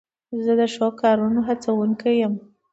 زه د ښو کارونو هڅوونکی یم.